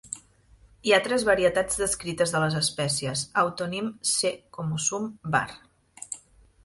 Hi ha tres varietats descrites de les espècies: autonym "C. comosum" var.